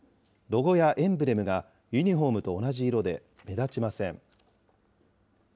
ロゴやエンブレムがユニホームと同じ色で目立ちません。